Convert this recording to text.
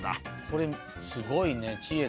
これすごいね。